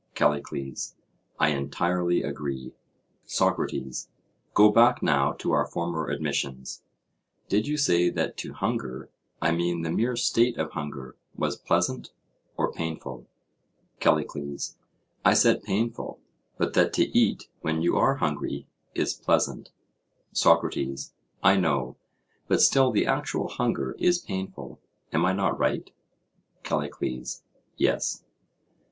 CALLICLES: I entirely agree. SOCRATES: Go back now to our former admissions.—Did you say that to hunger, I mean the mere state of hunger, was pleasant or painful? CALLICLES: I said painful, but that to eat when you are hungry is pleasant. SOCRATES: I know; but still the actual hunger is painful: am I not right? CALLICLES: Yes.